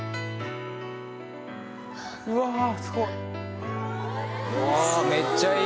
うわあすごい！